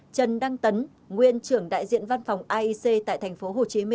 trần đăng tấn nguyễn trưởng đại diện văn phòng aec tại tp hcm